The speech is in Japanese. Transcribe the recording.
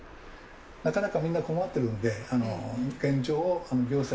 なかなかみんな困ってるので。